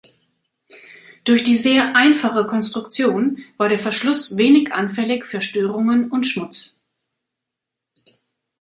Durch die sehr einfache Konstruktion war der Verschluss wenig anfällig für Störungen und Schmutz.